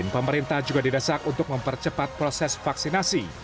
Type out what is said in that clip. pemerintah juga didesak untuk mempercepat proses vaksinasi